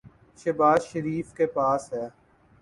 شہباز شریف کے پاس ہے۔